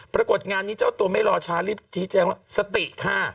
ปรากฏงานนี้เจ้าตัวไม่รอช้ารีบชี้แจงว่าสติค่ะ